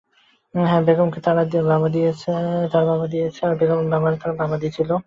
হ্যাঁ, বেগমকে তাঁর বাবা দিছে, আর বেগমের বাবারে তাঁর বাবা দিছিলো।